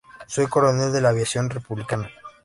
Soy coronel de la Aviación republicana"".